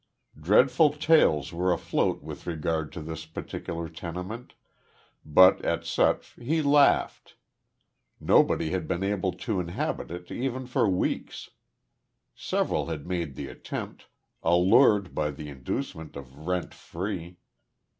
Dreadful tales were afloat with regard to this particular tenement, but at such he laughed. Nobody had been able to inhabit it even for weeks. Several had made the attempt, allured by the inducement of rent free.